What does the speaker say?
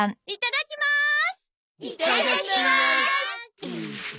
いただきます！